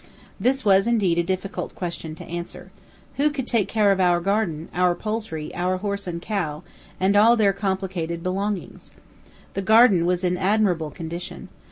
This was indeed a difficult question to answer. Who could take care of our garden, our poultry, our horse and cow, and all their complicated belongings? The garden was in admirable condition.